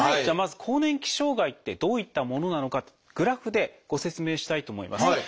じゃあまず更年期障害ってどういったものなのかってグラフでご説明したいと思います。